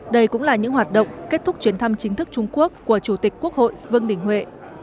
đây cũng là những hoạt động kết thúc chuyến thăm chính thức trung quốc của chủ tịch quốc hội vương đình huệ